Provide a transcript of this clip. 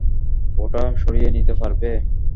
ওটা সরিয়ে নিতে পারবে।